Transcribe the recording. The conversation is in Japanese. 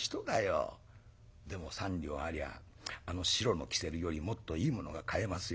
でも３両ありゃあの白のきせるよりもっといいものが買えますよ。